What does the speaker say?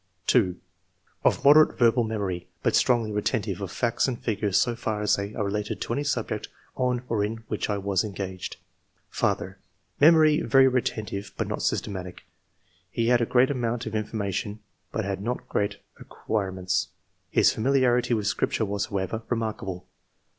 2. " Of moderate verbal memory, but strongly retentive of facts and figures so far as they are related to any subject on or in which I was engaged. ^^ Father — Memory very retentive, but not systematic. He had a great amoimt of in formation, but had not great acquirements ; his familiarity with Scripture was, however, re markable.